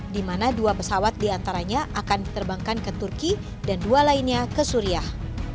di mana dua pesawat diantaranya akan diterbangkan ke turki dan dua lainnya ke suriah